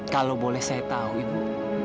kalau boleh saya tahu ibu